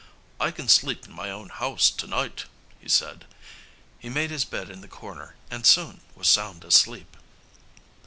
"I can sleep in my own house to night," he said. He made his bed in the corner and soon was sound asleep.